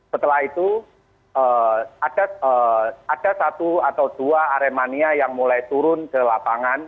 setelah itu ada satu atau dua aremania yang mulai turun ke lapangan